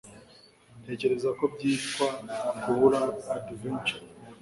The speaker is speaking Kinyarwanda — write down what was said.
ntekereza ko byitwa kubura adventure